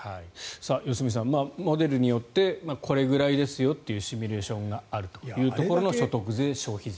良純さん、モデルによってこれぐらいですよというシミュレーションがあるというところの所得税、消費税。